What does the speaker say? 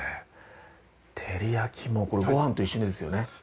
照り焼きもこれご飯と一緒にですよね。